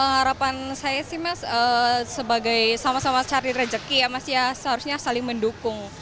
harapan saya sih mas sebagai sama sama cari rejeki ya mas ya seharusnya saling mendukung